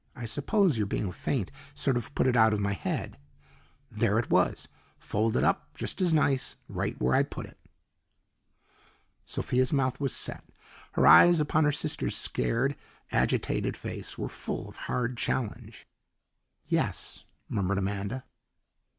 I suppose your being faint sort of put it out of my head. There it was, folded up just as nice, right where I put it." Sophia's mouth was set; her eyes upon her sister's scared, agitated face were full of hard challenge. "Yes," murmured Amanda.